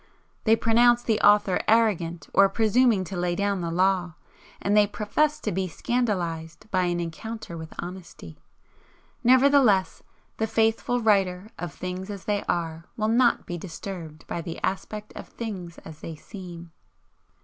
They pronounce the author 'arrogant' or 'presuming to lay down the law'; and they profess to be scandalised by an encounter with honesty. Nevertheless, the faithful writer of things as they Are will not be disturbed by the aspect of things as they Seem.